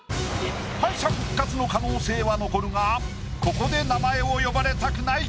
敗者復活の可能性は残るがここで名前を呼ばれたくない。